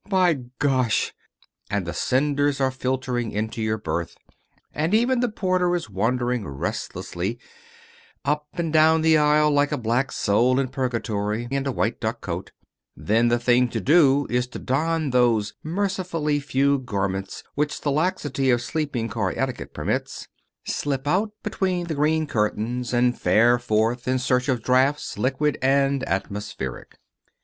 by gosh! and the cinders are filtering into your berth, and even the porter is wandering restlessly up and down the aisle like a black soul in purgatory and a white duck coat, then the thing to do is to don those mercifully few garments which the laxity of sleeping car etiquette permits, slip out between the green curtains and fare forth in search of draughts, liquid and atmospheric.